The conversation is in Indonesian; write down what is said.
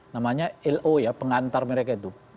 namanya lo ya pengantar mereka itu